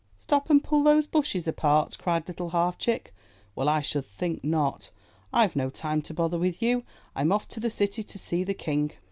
Stop and pull those bushes apart!" cried Little Half Chick. "Well, I should think not! Tve no time to bother with you! Tm off to the city to see the King!"